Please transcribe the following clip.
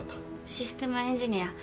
システムエンジニア。